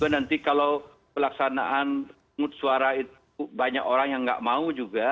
nanti kalau pelaksanaan mutsuara itu banyak orang yang nggak mau juga